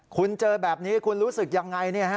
คุณเจอแบบนี้คุณรู้สึกยังไง